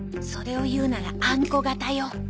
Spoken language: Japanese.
それを言うならあんこ型よ。